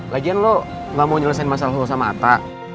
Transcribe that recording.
lagian lo gak mau nyelesain masalah lu sama atta